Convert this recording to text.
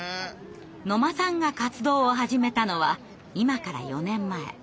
野間さんが活動を始めたのは今から４年前。